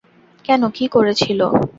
কেন, কী করেছিল।